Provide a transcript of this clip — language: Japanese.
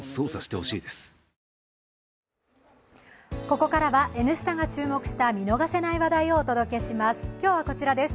ここからは「Ｎスタ」が注目した見逃せない話題をお届けします。